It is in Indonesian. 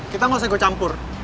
kita nggak usah gue campur